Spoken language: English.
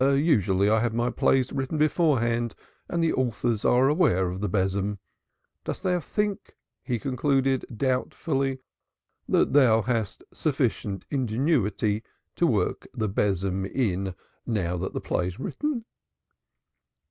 Usually I have my plays written beforehand and the authors are aware of the besom. Dost thou think," he concluded doubtfully, "that thou hast sufficient ingenuity to work in the besom now that the play is written?"